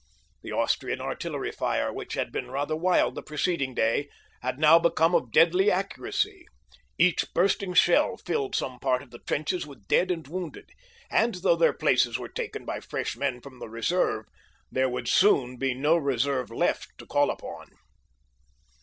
The Austrian artillery fire, which had been rather wild the preceding day, had now become of deadly accuracy. Each bursting shell filled some part of the trenches with dead and wounded, and though their places were taken by fresh men from the reserve, there would soon be no reserve left to call upon.